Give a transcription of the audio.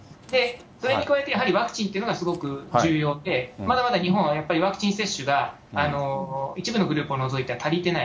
それに加えて、ワクチンというのがすごく重要で、まだまだ日本はやっぱりワクチン接種が、一部のグループを除いて足りてない。